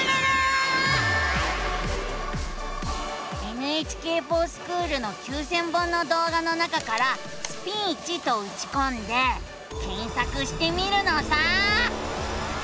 「ＮＨＫｆｏｒＳｃｈｏｏｌ」の９，０００本の動画の中から「スピーチ」とうちこんで検索してみるのさ！